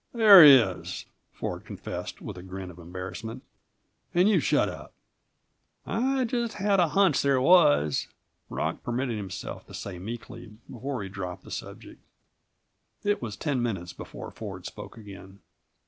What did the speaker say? "There is," Ford confessed, with a grin of embarrassment. "And you shut up." "I just had a hunch there was," Rock permitted himself to say meekly, before he dropped the subject. It was ten minutes before Ford spoke again.